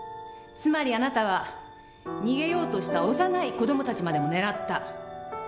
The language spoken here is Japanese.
つまりあなたは逃げようとした幼い子どもたちまでも狙った！